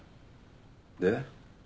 で？